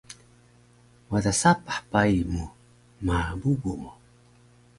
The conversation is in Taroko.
wada sapah pai mu ma bubu mu